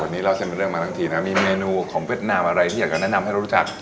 วันนี้เล่าเส้นเป็นเรื่องมาทั้งทีนะมีเมนูของเวียดนามอะไรที่อยากจะแนะนำให้เรารู้จัก